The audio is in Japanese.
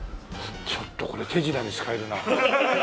ちょっとこれ手品に使えるな。